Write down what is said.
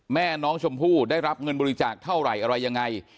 แม่น้องชมพู่ได้รับเงินบริจาคเท่าไหร่อะไรยังไง